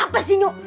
kenapa sih nyok